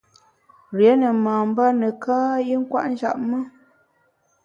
Rié ne mamba neka i nkwet njap me.